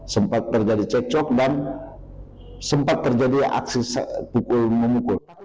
sempat terjadi cekcok dan sempat terjadi aksi pukul memukul